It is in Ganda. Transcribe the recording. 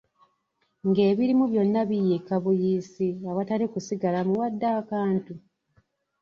Ng'ebirimu byonna biyiika buyiisi awatali kusigalamu wadde akantu!